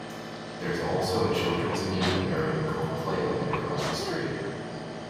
There's also a children's amusement area called Playland across the street.